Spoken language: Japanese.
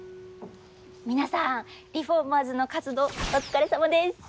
皆さんリフォーマーズの活動お疲れさまです！